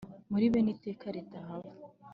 muri bene iteka ritahava,